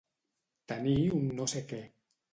Tenir un no sé què.